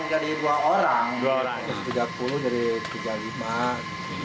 tadinya tujuh orang sekarang jadi dua orang